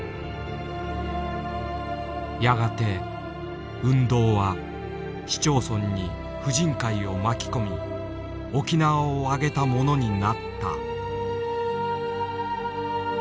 やがて運動は市町村に婦人会を巻き込み沖縄を挙げたものになった。